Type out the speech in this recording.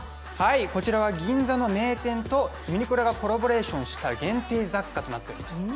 こちらは銀座の名店とユニクロがコラボレーションした限定商品となっています。